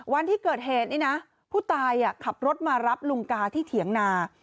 วันที่เกิดเหตุนี่นะผู้ตายขับรถมารับลุงกาที่เถียงนา